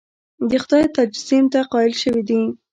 د خدای تجسیم ته قایل شوي دي.